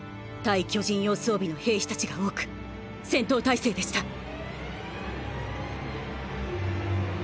対巨人用装備の兵士たちが多く戦闘態勢でした。